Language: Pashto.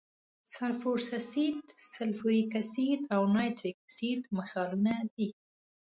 سلفورس اسید، سلفوریک اسید او نایتریک اسید مثالونه دي.